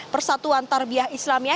persatuan tarbiah islamia